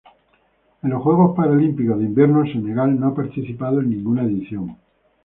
En los Juegos Paralímpicos de Invierno Senegal no ha participado en ninguna edición.